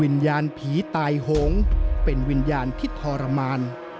วิญญาณผีตายโหงเป็นวิญญาณที่ทรมาน